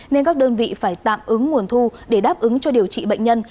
nên các đơn vị phải tạm ứng nguồn thu để đáp ứng cho điều trị bệnh nhân